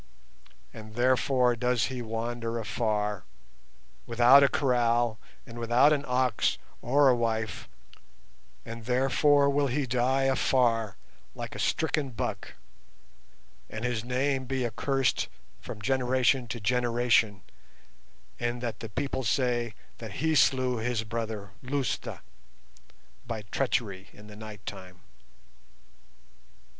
And, therefore, does he wander afar, without a kraal and without an ox or a wife, and therefore will he die afar like a stricken buck and his name be accursed from generation to generation, in that the people say that he slew his brother, Lousta, by treachery in the night time."